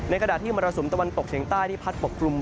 ในกระดาษที่มรสุมตะวันตกเฉียงใต้ที่พัดปกครุม